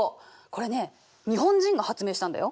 これね日本人が発明したんだよ。